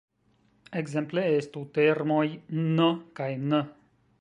Ekzemple estu termoj "n" kaj "n".